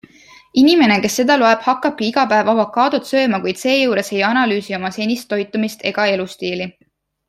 Inimene, kes seda loeb, hakkabki iga päev avokaadot sööma, kuid seejuures ei analüüsi oma senist toitumist egja elustiili.